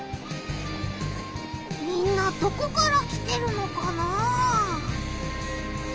みんなどこから来てるのかな？